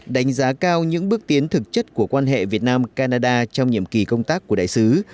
đánh giá cao những bước tiến thực chất của quan hệ việt nam canada trong nhiệm kỳ công tác của đại sứ